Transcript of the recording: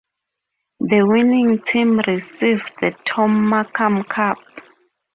The winning team receives the Tom Markham Cup.